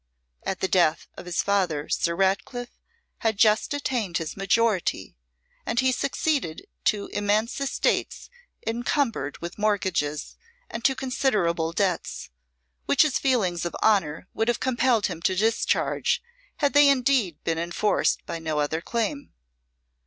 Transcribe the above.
At the death of his father Sir Ratcliffe had just attained his majority, and he succeeded to immense estates encumbered with mortgages, and to considerable debts, which his feelings of honour would have compelled him to discharge, had they indeed been enforced by no other claim.